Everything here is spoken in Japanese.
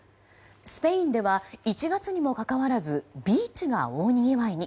スペインでは１月にもかかわらずビーチが大にぎわいに。